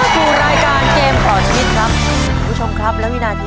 ตอบถูก๑ข้อรับ๕๐๐๐บาท